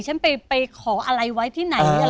ฉันไปขออะไรไว้ที่ไหน